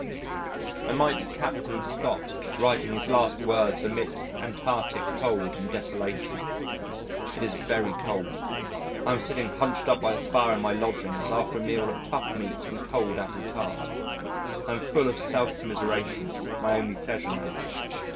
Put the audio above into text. I might be Captain Scott writing his last words amid Antarctic cold and desolation. It is very cold. I am sitting hunched up by the fire in my lodgings after a meal of tough meat and cold apple tart. I am full of self commiseration my only pleasure now.